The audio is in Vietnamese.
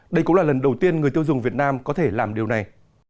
đây cũng là lần đầu tiên người tiêu dùng việt nam có thể làm điều này